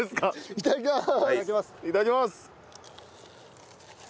いただきます。